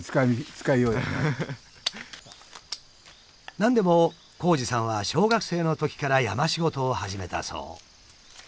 何でも紘二さんは小学生のときから山仕事を始めたそう。